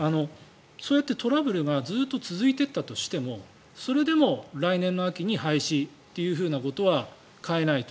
そうやってトラブルがずっと続いていったとしてもそれでも来年の秋に廃止ということは変えないと。